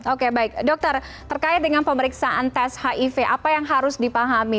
oke baik dokter terkait dengan pemeriksaan tes hiv apa yang harus dipahami